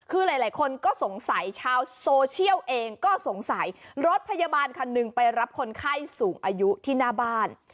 คือหลายคนก็สงสัยชาวโซเชียลเองก็สงสัยรถพยาบาลคันหนึ่งไปรับคนไข้สูงอายุที่หน้าบ้าน